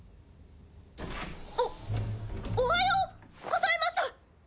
おおはようございます！